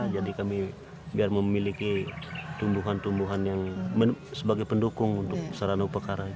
jadi kami biar memiliki tumbuhan tumbuhan yang sebagai pendukung untuk sarana upekara